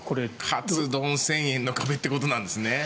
かつ丼１０００円の壁ということなんですね。